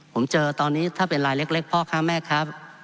ผมเจอตอนนี้ถ้าเป็นลายเล็กพ่อค้าแม่ครับ